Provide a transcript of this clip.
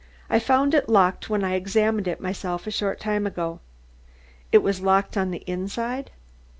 "I found it locked when I examined it myself a short time ago." "It was locked on the inside?"